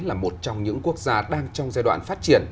là một trong những quốc gia đang trong giai đoạn phát triển